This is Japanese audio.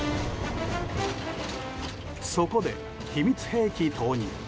そこで、秘密兵器投入。